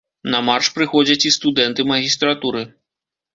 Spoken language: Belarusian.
На марш прыходзяць і студэнты магістратуры.